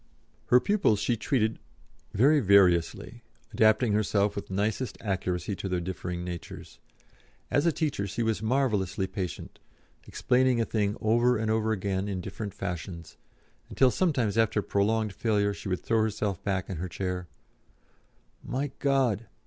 Her pupils she treated very variously, adapting herself with nicest accuracy to their differing natures; as a teacher she was marvellously patient, explaining a thing over and over again in different fashions, until sometimes after prolonged failure she would throw herself back in her chair: "My God!"